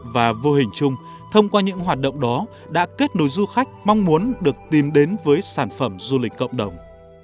và vô hình chung thông qua những hoạt động đó đã kết nối du khách mong muốn được tìm đến với sản phẩm du lịch cộng đồng